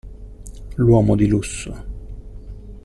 L'uomo di lusso.